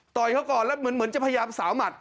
ต่อยเขาก่อนแล้วเหมือนจะพยายามสาวหมัด